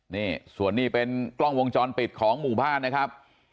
นี่ส่วนนี้เป็นกล้องวงจรปิดของหมู่บ้านนะครับ